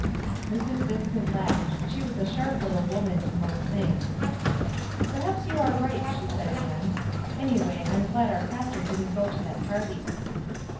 Mrs. Vincent laughed. She was a sharp little woman in most things. "Perhaps you are right," she said again. 284 WISE AND OTHERWISE. "Anyway, I'm glad our pastor didn't go to that party."